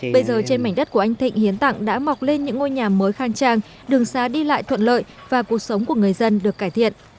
bây giờ trên mảnh đất của anh thịnh hiến tặng đã mọc lên những ngôi nhà mới khang trang đường xá đi lại thuận lợi và cuộc sống của người dân được cải thiện